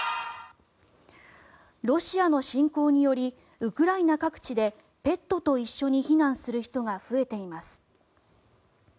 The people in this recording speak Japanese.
ロシアの侵攻によりウクライナ各地でペットと一緒に避難する人たちが増えています。